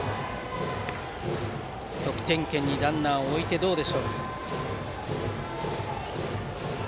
得点圏にランナーを置いてどうか。